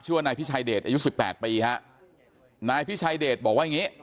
ว่านายพิชัยเดชอายุสิบแปดปีฮะนายพิชัยเดชบอกว่าอย่างงี้